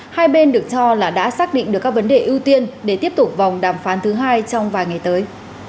hai bên được cho là đã xác định được các vấn đề ưu tiên để tiếp tục vòng đàm phán thứ hai trong vài ngày tới